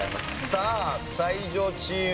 さあ才女チーム